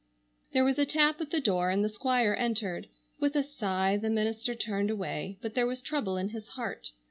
There was a tap at the door and the Squire entered. With a sigh the minister turned away, but there was trouble in his heart.